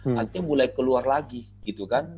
nanti mulai keluar lagi gitu kan